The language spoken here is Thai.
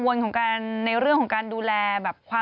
มันอัศจรรย์อยู่แล้ว